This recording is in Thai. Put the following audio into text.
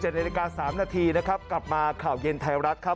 นาฬิกา๓นาทีนะครับกลับมาข่าวเย็นไทยรัฐครับ